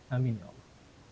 amin ya allah